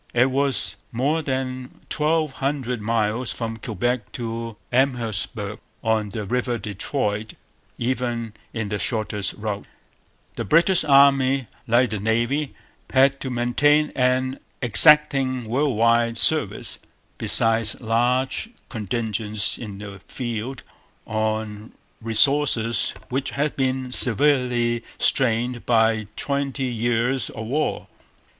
It was more than twelve hundred miles from Quebec to Amherstburg on the river Detroit, even by the shortest route. The British Army. The British Army, like the Navy, had to maintain an exacting world wide service, besides large contingents in the field, on resources which had been severely strained by twenty years of war.